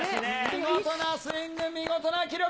見事なスイング、見事な記録。